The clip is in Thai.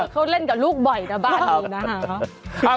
เขาเล่นกับลูกบ่อยนะบ้าน